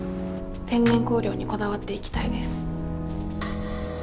天然香料にこだわっていきたいです。